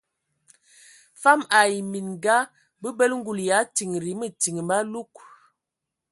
Fam ai minga bəbələ ngul ya tindi mətin malug.